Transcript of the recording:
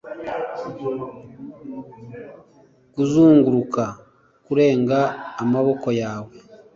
Kuzunguruka kurenga amaboko yawe